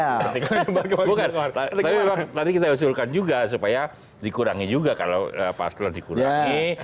bukan tadi kita usulkan juga supaya dikurangi juga kalau pas lo dikurangi